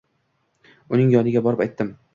Uning yoniga borib, aytdim.